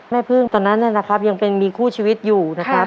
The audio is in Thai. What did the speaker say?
แม่พึ่งตอนนั้นนะครับยังเป็นมีคู่ชีวิตอยู่นะครับ